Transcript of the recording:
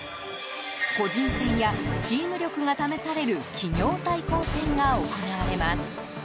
個人戦や、チーム力が試される企業対抗戦が行われます。